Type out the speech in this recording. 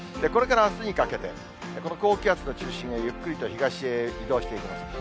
これからあすにかけて、この高気圧の中心がゆっくりと東へ移動していきます。